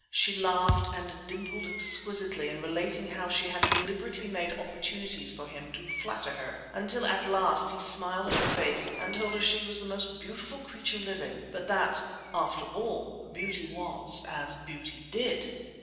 She laughed and dimpled exquisitely in relating how she had deliberately made opportunities for him to flatter her, until, at last, he smiled in her face and told her she was the most beautiful creature living, but that "after all, 'beauty was as beauty did!'"